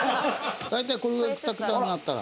大体これぐらいくたくたになったら。